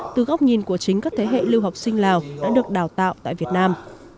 từ góc nhìn của chính các thế hệ lưu học sinh lào đã được đào tạo tại việt nam